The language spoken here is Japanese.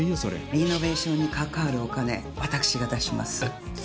リノベーションにかかるお金私が出します。